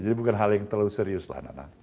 jadi bukan hal yang terlalu serius lah nana